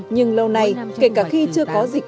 nhưng lâu nay kể cả khi chưa có dịch